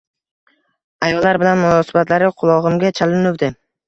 Ayollar bilan munosabatlari qulog`imga chalinuvdi